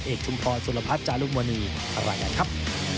เอกจุมพลสุรพัฒน์จารุมวณีสวัสดีครับ